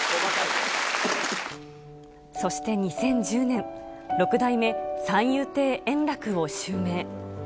そして２０１０年、六代目三遊亭円楽を襲名。